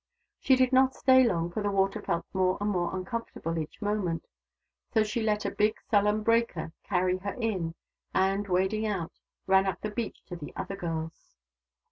She did not stay long, for the water felt more and more uncomfortable each moment ; so she let a big, sullen breaker carry her in, and, wading out, ran up the beach to the other girls.